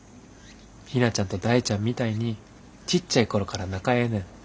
陽菜ちゃんと大ちゃんみたいにちっちゃい頃から仲ええねん。